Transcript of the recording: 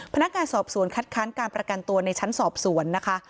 พนักงานสอบสวนคัดค้านการประกันตัวในชั้นสอบสวนนะคะ